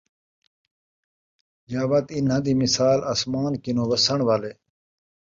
۔ یا وَت اِنھاں دی مثال آسمان کنوں وَسَّݨ والے